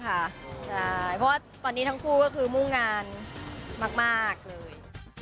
ใช่เพราะว่าตอนนี้ทั้งคู่ก็คือมุ่งงานมากเลย